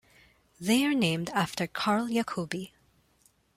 They are named after Carl Jacobi.